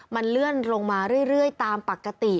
มันเลื่อนลงมาเรื่อยตามปกติ